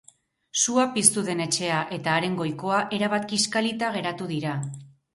Sua piztu den etxea eta haren goikoa erabat kiskalita geratu dira.